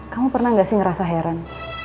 kamu pernah nggak sih ngerasa heran